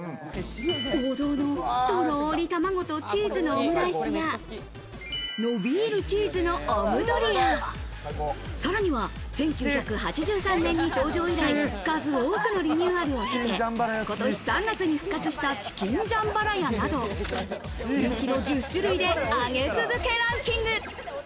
王道のとろり卵とチーズのオムライスや、のびるチーズのオムドリア、さらには、１９８３年に登場以来、数多くのリニューアルを経て、今年３月に復活したチキンジャンバラヤなど、人気の１０種類で上げ続けランキング。